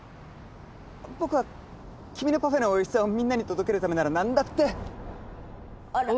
僕は君のパフェの美味しさをみんなに届ける為なら何だって。